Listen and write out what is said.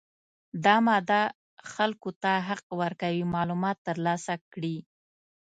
دا ماده خلکو ته حق ورکوي معلومات ترلاسه کړي.